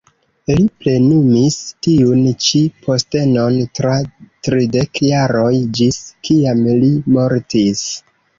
Li plenumis tiun ĉi postenon tra tridek jaroj, ĝis kiam li mortis.